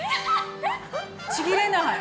ちぎれない！